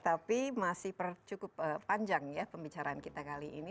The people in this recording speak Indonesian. tapi masih cukup panjang ya pembicaraan kita kali ini